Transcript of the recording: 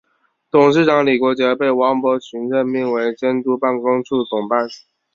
董事长李国杰被王伯群任命为监督办公处总办。